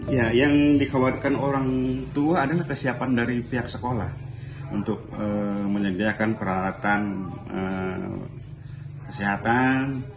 ya yang dikhawatirkan orang tua adalah kesiapan dari pihak sekolah untuk menyediakan peralatan kesehatan